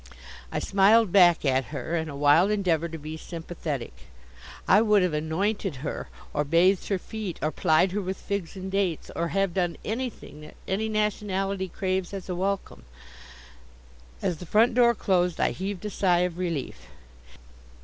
I smiled back at her, in a wild endeavor to be sympathetic. I would have anointed her, or bathed her feet, or plied her with figs and dates, or have done anything that any nationality craves as a welcome. As the front door closed I heaved a sigh of relief.